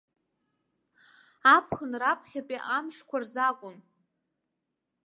Аԥхын раԥхьатәи амшқәа рзы акәын.